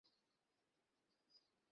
কেউ জানে না কে কোন শহরে যাচ্ছে।